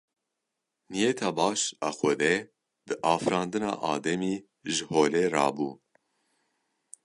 Niyeta baş a Xwedê bi afirandina Ademî ji holê rabû.